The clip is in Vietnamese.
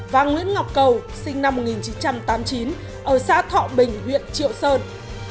và nguyễn ngọc cầu sinh năm một nghìn chín trăm tám mươi chín ở xã thọ bình huyện triệu sơn